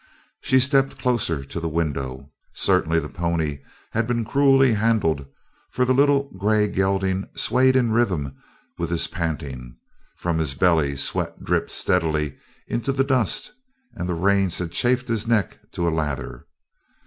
She stepped closer to the window. Certainly that pony had been cruelly handled for the little grey gelding swayed in rhythm with his panting; from his belly sweat dripped steadily into the dust and the reins had chafed his neck to a lather.